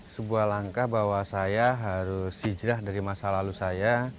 sebuah langkah bahwa saya harus hijrah dari masa lalu saya